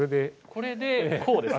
これでこうですか？